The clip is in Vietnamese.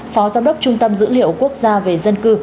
phó giám đốc trung tâm dữ liệu quốc gia về dân cư